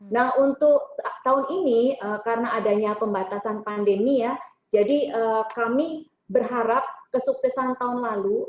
nah untuk tahun ini karena adanya pembatasan pandemi ya jadi kami berharap kesuksesan tahun lalu